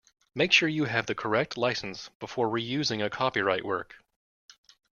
Make sure you have the correct licence before reusing a copyright work